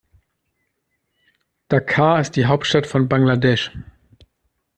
Dhaka ist die Hauptstadt von Bangladesch.